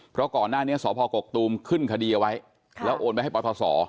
เพราะก่อนหน้านี้สพกกตูมขึ้นคดีเอาไว้แล้วโอนไปให้ปศ